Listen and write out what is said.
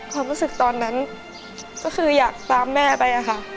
ความรู้สึกตอนนั้นก็คืออยากตามแม่ไปอะค่ะ